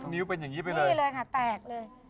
นิ้วเป็นอย่างนี้ไปเลยนี่เลยค่ะแตกเลย